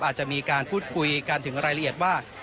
อาจจะมีการพูดคุยกันถึงรายละเอียดว่า